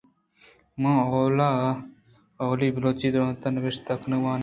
من اود ءَ اولی بلوچی درونت ءُ نبشتانکاں وانان